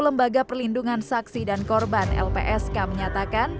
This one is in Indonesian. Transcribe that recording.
lembaga perlindungan saksi dan korban lpsk menyatakan